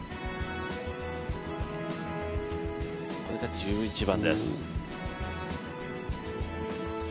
これが１１番です。